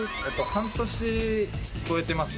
半年超えてます。